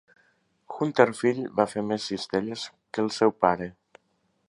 Hunter fill va fer més cistelles que el seu pare.